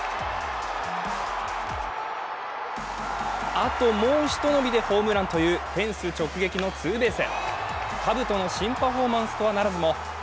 あと、もうひと伸びでホームランというフェンス直撃のツーベース。